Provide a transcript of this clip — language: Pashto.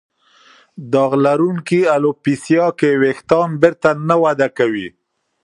داغ لرونکې الوپیسیا کې وېښتان بېرته نه وده کوي.